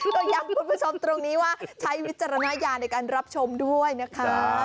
ก็ย้ำคุณผู้ชมตรงนี้ว่าใช้วิจารณญาณในการรับชมด้วยนะคะ